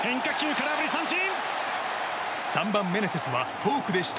空振り三振！